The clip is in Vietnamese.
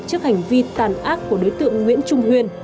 trước hành vi tàn ác của đối tượng nguyễn trung huyên